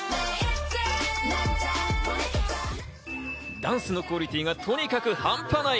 ダンスのクオリティーがとにかく半端ない。